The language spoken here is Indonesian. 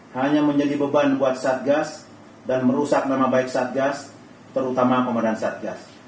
hanya menjadi beban buat satgas dan merusak nama baik satgas terutama komandan satgas